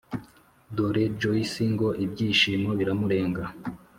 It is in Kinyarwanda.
dore joyce ngo ibyishimo biramurenga